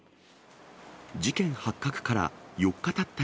事件発覚から４日たった